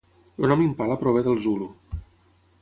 El nom impala prové del zulu.